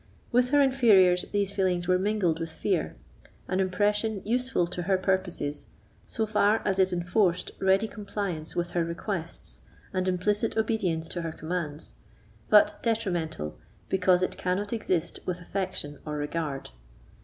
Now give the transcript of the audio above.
With her inferiors these feelings were mingled with fear; an impression useful to her purposes, so far as it enforced ready compliance with her requests and implicit obedience to her commands, but detrimental, because it cannot exist with affection or regard.